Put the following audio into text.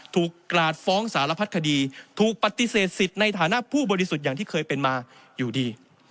กราดฟ้องสารพัดคดีถูกปฏิเสธสิทธิ์ในฐานะผู้บริสุทธิ์อย่างที่เคยเป็นมาอยู่ดี